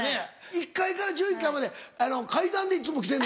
１階から１１階まで階段でいつも来てんの？